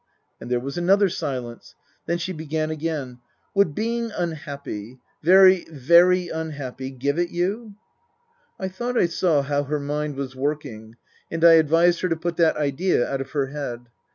And there was another silence. Then she began again :" Would being unhappy very, very unhappy give it you ?" I thought I saw how her mind was working and I ad vised her to put that idea out of her head.